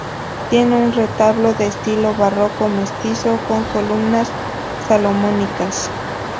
Tiene un retablo de estilo barroco mestizo con columnas salomónicas.